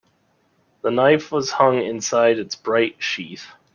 The knife was hung inside its bright sheath.